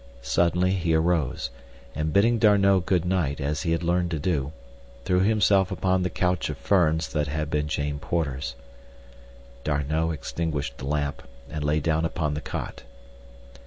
Suddenly he arose, and, bidding D'Arnot good night as he had learned to do, threw himself upon the couch of ferns that had been Jane Porter's. D'Arnot extinguished the lamp, and lay down upon the cot.